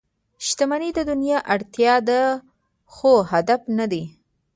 • شتمني د دنیا اړتیا ده، خو هدف نه دی.